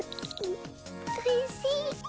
おいしい。